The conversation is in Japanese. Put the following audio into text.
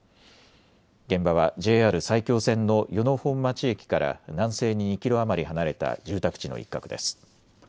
現場はＪＲ埼京線の与野本町駅から南西に２キロ余り離れた住宅地の一角です。